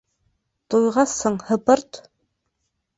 — Туйғасһың, һыпырт!